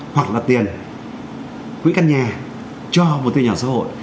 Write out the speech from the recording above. hoặc là tiền quỹ căn nhà cho một tiền nhà xã hội